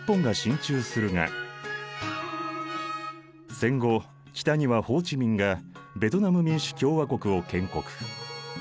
戦後北にはホー・チ・ミンがベトナム民主共和国を建国。